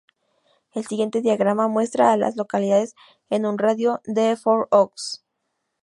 El siguiente diagrama muestra a las localidades en un radio de de Four Oaks.